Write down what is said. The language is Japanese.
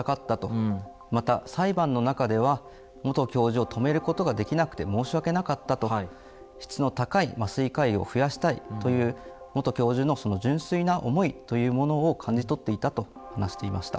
また裁判の中では元教授を止めることができなくて申し訳なかったと質の高い麻酔科医を増やしたいという元教授のその純粋な思いというものを感じ取っていたと話していました。